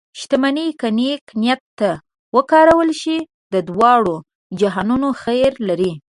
شتمني که نیک نیت ته وکارول شي، د دواړو جهانونو خیر لري.